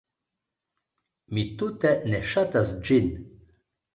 Mi tute ne ŝatas ĝin.